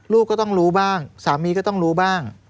ลูกก็ต้องรู้บ้างสามีก็ต้องรู้บ้าง